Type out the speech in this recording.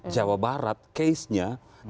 jawa barat casenya